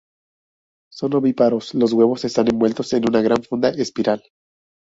Son ovíparos; los huevos están envueltos en una gran funda espiral.